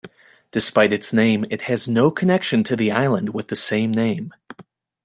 Despite its name, it has no connection to the island with the same name.